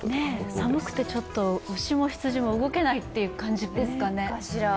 寒くて、牛も羊も動けないという感じですかね。